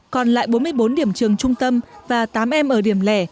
còn lại bốn mươi bốn điểm trường trung tâm và tám em ở điểm lẻ